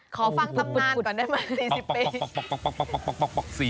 ขอฟังตำนานก่อนนะครับ๔๐ปี